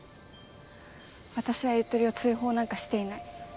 私はゆとりを追放なんかしていない。